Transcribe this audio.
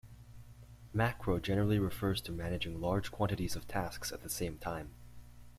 Macro generally refers to managing large quantities of tasks at the same time.